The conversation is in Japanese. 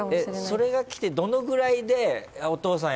それが来てどのぐらいでお父さん